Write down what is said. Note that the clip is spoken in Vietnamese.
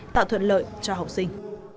tạo thuận lợi cho học sinh